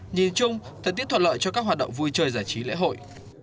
nhìn chung thời tiết thuận lợi cho các hoạt động vui chơi giải trí lễ hội